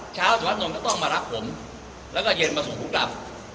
เช้าธวัดนท์ก็ต้องมารับผมแล้วก็เย็นมาส่งผมกลับ